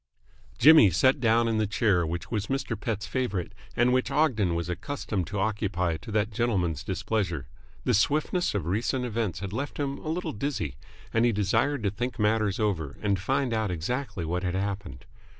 Jimmy sat down in the chair which was Mr. Pett's favourite and which Ogden was accustomed to occupy to that gentleman's displeasure. The swiftness of recent events had left him a little dizzy, and he desired to think matters over and find out exactly what had happened.